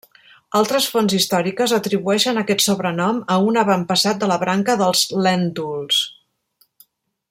Altres fonts històriques atribueixen aquest sobrenom a un avantpassat de la branca dels Lèntuls.